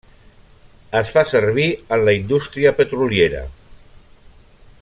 Es fa servir en la indústria petroliera.